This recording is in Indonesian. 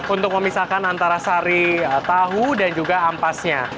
untuk memisahkan antara sari tahu dan juga ampasnya